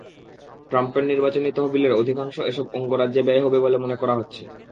ট্রাম্পের নির্বাচনী তহবিলের অধিকাংশ এসব অঙ্গরাজ্যে ব্যয় হবে বলে মনে করা হচ্ছে।